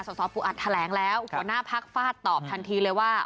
สสปูอัดแถลงแล้วหัวหน้าพักฟาดตอบทันทีเลยว่า